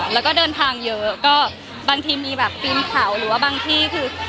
แล้วก็เดินทางเยอะก็บางทีมีแบบฟิล์มเขาหรือว่าบางที่คือ